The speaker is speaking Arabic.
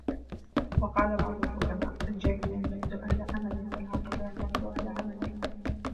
وَقَالَ بَعْضُ الْحُكَمَاءِ الْجَاهِلُ يَعْتَمِدُ عَلَى أَمَلِهِ ، وَالْعَاقِلُ يَعْتَمِدُ عَلَى عَمَلِهِ